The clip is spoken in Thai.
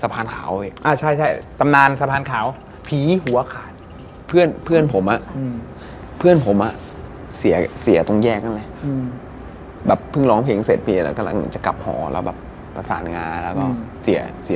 ถ้าหอมเนี่ยเขาว่าก็ว่ามาดี